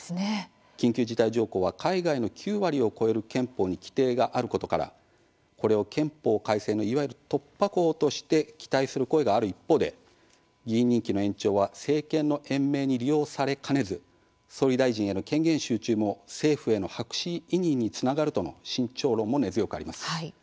緊急事態条項は海外の９割を超える憲法に規定があることからこれを憲法改正のいわゆる突破口として期待する声がある一方で議員任期の延長は政権の延命に利用されかねず総理大臣への権限集中も政府への白紙委任につながるとの慎重論も根強くあります。